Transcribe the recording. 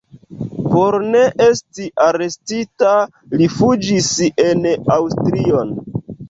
Por ne esti arestita li fuĝis en Aŭstrion.